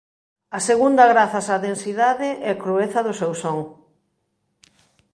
A segunda grazas á densidade e crueza do seu son.